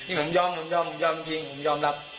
นี่ผมยอมจริงผมยอมรับ